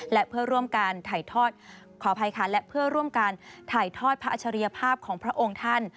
และเพื่อร่วมการถ่ายทอดขออภัยค่ะและเพื่อร่วมการถ่ายทอดพระอัจฉริยภาพของพระองค์ท่าน